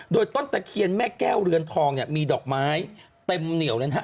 โดยต้นตะเคียนแม่แก้วเรือนทองเนี่ยมีดอกไม้เต็มเหนียวเลยนะฮะ